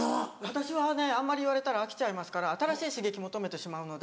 私はねあんまり言われたら飽きちゃいますから新しい刺激求めてしまうので。